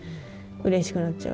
うれしくなっちゃう。